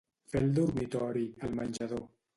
Fer el dormitori, el menjador.